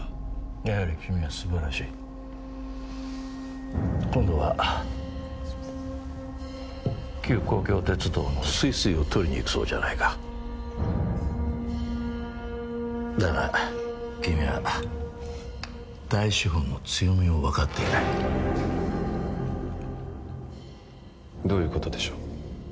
やはり君は素晴らしい今度は旧公共鉄道のＳＵＩＳＵＩを取りにいくそうじゃないかだが君は大資本の強みを分かっていないどういうことでしょう？